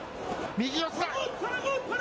右四つだ。